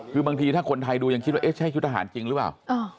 คือบางทีถ้าคนไทยดูยังคิดว่าเอ๊ะใช่ชุดทหารจริงหรือเปล่า